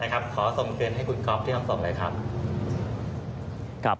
ขอสมเกินให้คุณก๊อฟที่ทำส่งเลยครับ